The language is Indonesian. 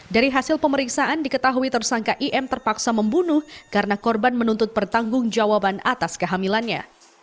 dari hasil pemeriksaan diketahui tersangka im terpaksa membunuh karena korban menuntut pertanggung jawaban atas kehamilannya